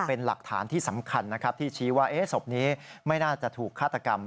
เป็นหลักฐานที่สำคัญนะครับที่ชี้ว่าศพนี้ไม่น่าจะถูกฆาตกรรม